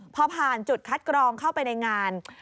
พอผ่านจุดคัดกรองเข้าไปในงาน